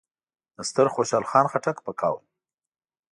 د ستر خوشحال خان خټک په قول: